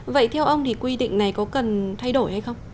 vậy theo ông thì quy định này có cần thay đổi hay không